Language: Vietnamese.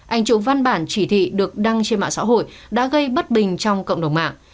anh chụp văn bản chỉ thị được đăng trên mạng xã hội đã gây bất bình trong cộng đồng mạng